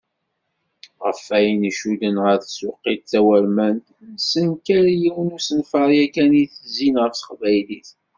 Ɣef wayen icudden ɣer tsuqilt tawurmant, nsenker yiwen n usenfar yakan i itezzin ɣef teqbaylit.